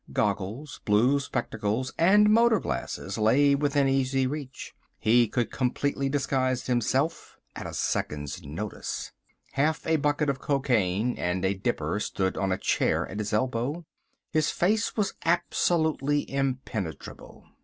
Goggles, blue spectacles and motor glasses lay within easy reach. He could completely disguise himself at a second's notice. Half a bucket of cocaine and a dipper stood on a chair at his elbow. His face was absolutely impenetrable.